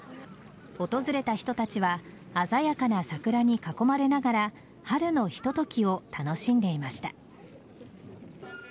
訪れた人たちは鮮やかな桜に囲まれながら春のひとときを楽しんでいました。